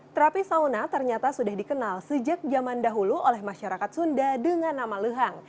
terapi sauna ternyata sudah dikenal sejak zaman dahulu oleh masyarakat sunda dengan nama lehang